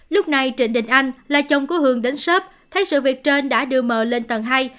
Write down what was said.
lúc này trịnh đình anh là chồng của h đến sớp thấy sự việc trên đã đưa m lên tầng hai